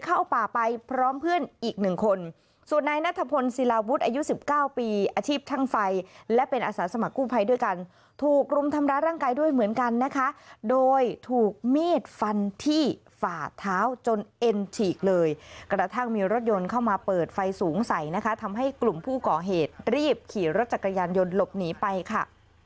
อาชีพทางไฟและเป็นอาสาสมกู้ภัยด้วยกันถูกรุมทำร้ายร่างกายด้วยเหมือนกันนะคะโดยถูกเมียดฟันที่ฝ่าเท้าจนเอ็นฉีกเลยกระทั่งมีรถยนต์เข้ามาเปิดไฟสูงใสนะคะทำให้กลุ่มผู้ก่อเหตุรีบขี่รถจักรยานยนต์หลบหนีไปค่ะ